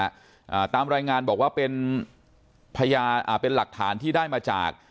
อ่าตามรายงานบอกว่าเป็นพยานอ่าเป็นหลักฐานที่ได้มาจาก